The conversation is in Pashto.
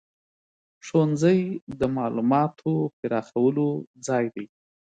ښوونځی د معلوماتو پراخولو ځای دی.